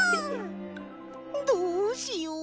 どうしよう。